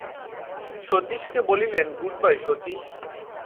শচীশকে বলিলেন, গুডবাই শচীশ!